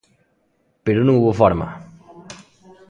Pero non houbo forma.